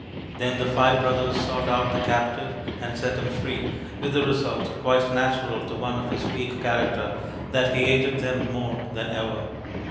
Then the five brothers sought out the captive and set him free, with the result, quite natural to one of his weak character, that he hated them more than ever.